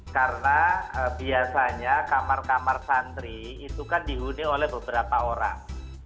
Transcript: karena biasanya kamar kamar santri itu kan dihuni oleh beberapa orang